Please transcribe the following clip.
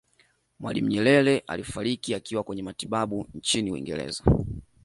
mwalimu nyerere alifariki akiwa kwenye matibabu nchini uingereza